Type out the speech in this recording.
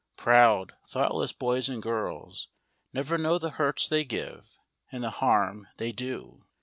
Proud, thoughtless boys and girls never know the hurts they give, and the harm they do.